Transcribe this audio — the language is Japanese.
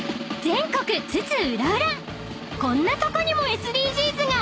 ［全国津々浦々こんなとこにもＳＤＧｓが！］